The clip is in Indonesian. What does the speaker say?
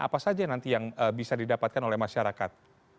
apa saja nanti yang bisa didapatkan oleh masyarakat